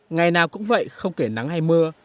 ngày nào cũng vậy không kể nắng hay mưa